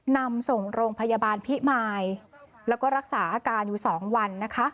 นำส่งโรงพยาบาลพิมายแล้วก็รักษาอาการอยู่๒วันนะคะ